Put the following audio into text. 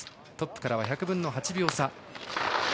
トップからは１００分の８秒差。